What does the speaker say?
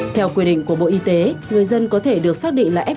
theo quy định của bộ y tế người dân có thể được xác định là f